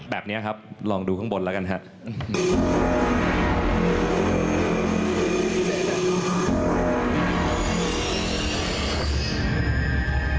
แบบนี้ครับลองดูข้างบนแล้วกันครับ